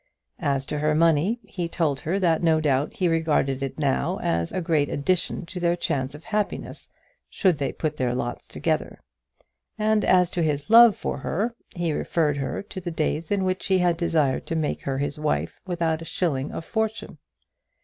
As to her money he told her that no doubt he regarded it now as a great addition to their chance of happiness, should they put their lots together; and as to his love for her, he referred her to the days in which he had desired to make her his wife without a shilling of fortune.